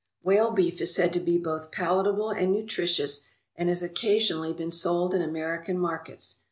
Whale beef is said to be both palatable and nutritious and has occasionally been sold in American markets.